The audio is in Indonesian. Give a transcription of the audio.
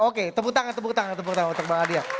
oke tepuk tangan tepuk tangan tepuk tangan untuk bang adian